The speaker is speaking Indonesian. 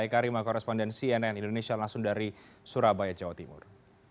eka rima koresponden cnn indonesia langsung dari surabaya jawa timur